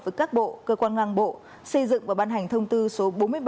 với các bộ cơ quan ngang bộ xây dựng và ban hành thông tư số bốn mươi bảy